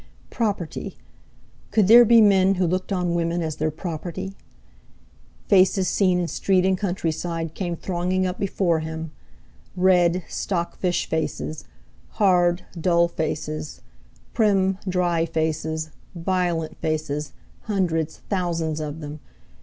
Property! Could there be men who looked on women as their property? Faces seen in street and countryside came thronging up before him—red, stock fish faces; hard, dull faces; prim, dry faces; violent faces; hundreds, thousands of them!